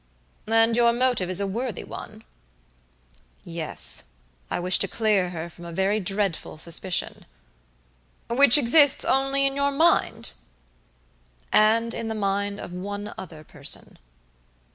"And your motive is a worthy one?" "Yes, I wish to clear her from a very dreadful suspicion." "Which exists only in your mind?" "And in the mind of one other person."